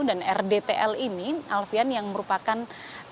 dan rdtl ini alfian yang merupakan landasan